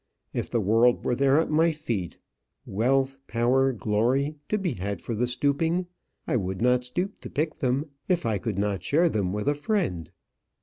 If the world were there at my feet, wealth, power, glory, to be had for the stooping, I would not stoop to pick them, if I could not share them with a friend.